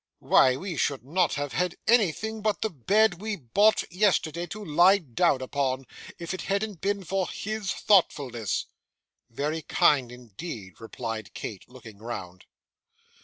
Why, we should not have had anything but the bed we bought yesterday, to lie down upon, if it hadn't been for his thoughtfulness!' 'Very kind, indeed,' replied Kate, looking round.